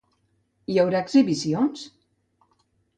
I hi haurà exhibicions?